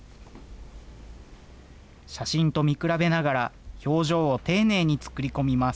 写真と見比べながら表情を丁寧に作り込みます。